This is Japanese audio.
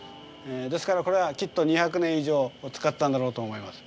ですからこれはきっと２００年以上使ったんだろうと思います。